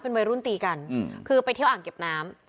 วัยรุ่นตีกันคือไปเที่ยวอ่างเก็บน้ำ